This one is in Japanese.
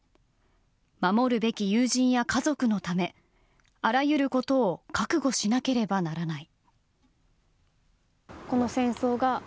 守るべき友人や家族のためあらゆることを覚悟しなければならない。